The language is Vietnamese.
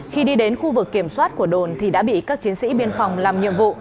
khi đi đến khu vực kiểm soát của đồn thì đã bị các chiến sĩ biên phòng làm nhiệm vụ